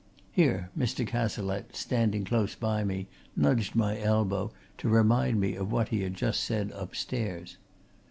(Here Mr. Cazalette, standing close by me, nudged my elbow, to remind me of what he had just said upstairs.)